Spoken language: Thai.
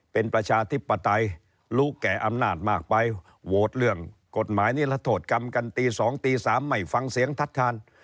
เป็นประชาธิปไตยรู้แก่อำนาจมากไปโหวตเรื่องกฎหมายนิรัตโทษกรรมกันตี๒ตี๓ไม่ฟังเสียงทัดทาน